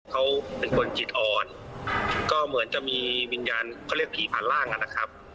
เขาเป็นคนจิตอ่อนก็เหมือนจะมีวิญญาณเขาเรียกพี่ผ่านร่างนะครับ